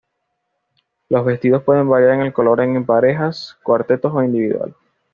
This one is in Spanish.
Los vestidos pueden variar en el color en parejas, cuartetos o individual.